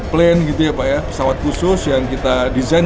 pesawat khusus yang kita desain